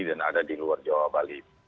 dan ada di luar jawa bali